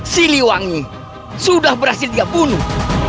siliwangi sudah berhasil dia bunuh